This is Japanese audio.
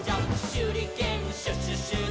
「しゅりけんシュシュシュで」